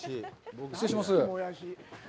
失礼します。